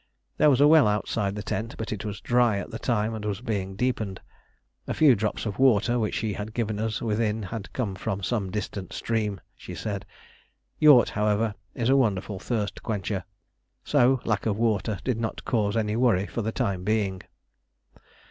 There was a well outside the tent, but it was dry at the time and was being deepened. A few drops of water which she had given us within had come from some distant stream, she said. "Yourt," however, is a wonderful thirst quencher, so lack of water did not cause any worry for the time being.